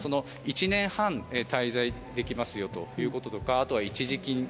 １年半滞在できますよということとかあとは一時金